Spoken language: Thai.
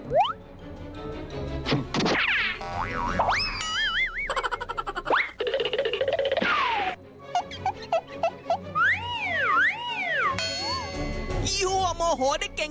วิธีแบบไหนไปดูกันเล็ก